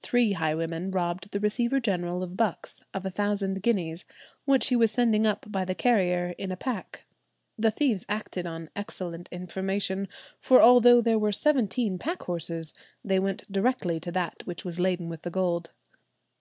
Three highwaymen robbed the Receiver General of Bucks of a thousand guineas, which he was sending up by the carrier in a pack; the thieves acted on excellent information, for although there were seventeen pack horses, they went directly to that which was laden with the gold.